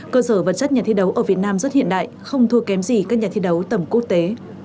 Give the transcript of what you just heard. cơ sở vật chất nhà thi đấu ở việt nam rất hiện đại không thua kém gì các nhà thi đấu tầm quốc tế